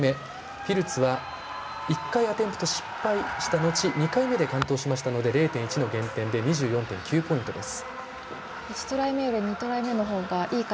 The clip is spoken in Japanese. ピルツは１回アテンプト失敗したあと２回目で完登しましたので０．１の減点で２４．９ポイントです。